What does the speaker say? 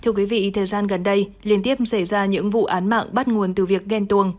thưa quý vị thời gian gần đây liên tiếp xảy ra những vụ án mạng bắt nguồn từ việc ghen tuồng